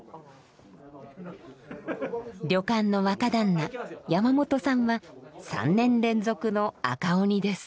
旅館の若旦那山本さんは３年連続の赤鬼です。